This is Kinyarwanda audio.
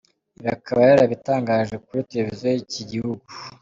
Ibi akaba yarabitangarije kuri Televisiyo y’iki gihugu.